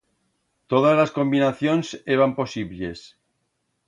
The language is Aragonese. Todas las combinacions eban posiblles.